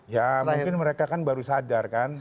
ya mungkin mereka kan baru sadar kan